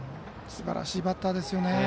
すばらしいバッターですね。